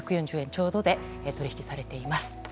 ちょうどで取引されています。